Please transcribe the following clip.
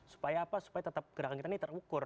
supaya apa supaya tetap gerakan kita ini terukur